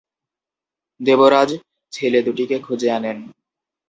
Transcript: দেবরাজ ছেলে দুটিকে খুঁজে আনেন।